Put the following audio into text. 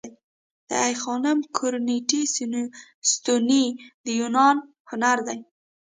د آی خانم کورینتی ستونې د یوناني هنر دي